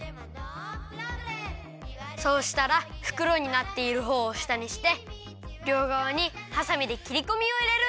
そうしたらふくろになっているほうをしたにしてりょうがわにはさみできりこみをいれる！